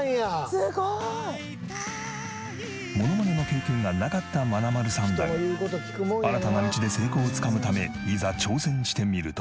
すごい！モノマネの経験がなかったまなまるさんだが新たな道で成功をつかむためいざ挑戦してみると。